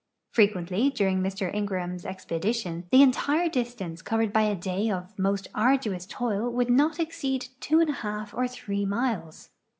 Frequently during Mr Ingraham's expedition the entire distance covered by a day of most arduous toil would not exceed 21 or 3 miles.